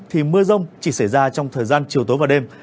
thì mưa rông chỉ xảy ra trong thời gian chiều tối và đêm